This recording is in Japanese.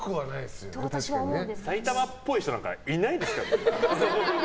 埼玉っぽい人なんかいないですけど。